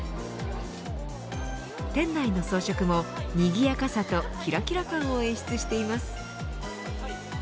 店内の装飾もにぎやかさときらきら感を演出しています。